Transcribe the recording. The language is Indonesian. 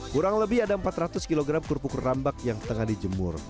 kurang lebih ada empat ratus kg kerupuk rambak yang tengah dijemur